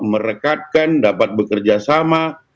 merekatkan dapat bekerjasama